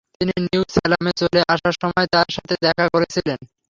তিনি নিউ স্যালামে চলে আসার সময় তাঁর সাথে দেখা করেছিলেন।